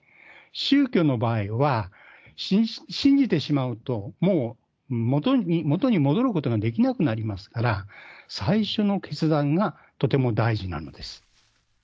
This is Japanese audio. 宗教の場合は、信じてしまうと、もう元に戻ることができなくなりますから、最初の決断がとても大事なのです。